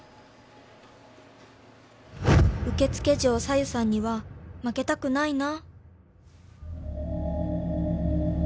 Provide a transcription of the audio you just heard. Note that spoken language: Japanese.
「受付嬢さゆさんには負けたくないな」